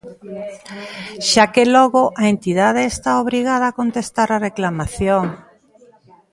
Xa que logo, a entidade está obrigada a contestar á reclamación.